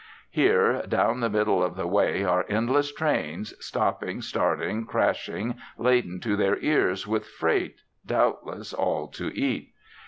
Here down the middle of the way are endless trains, stopping, starting, crashing, laden to their ears with freight, doubtless all to eat.